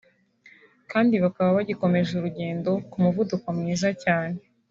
kandi bakaba bagikomeje urugendo ku muvuduko mwiza cyane